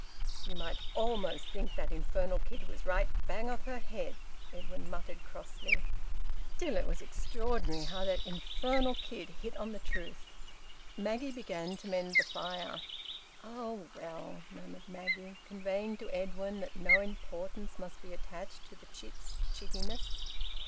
"You might almost think that infernal kid was right bang off her head," Edwin muttered crossly. (Still, it was extraordinary how that infernal kid hit on the truth.) Maggie began to mend the fire. "Oh, well!" murmured Maggie, conveying to Edwin that no importance must be attached to the chit's chittishness.